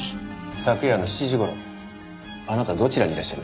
昨夜の７時頃あなたどちらにいらっしゃいました？